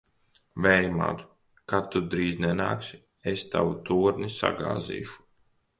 Vēja māt! Kad tu drīzi nenāksi, es tavu torni sagāzīšu!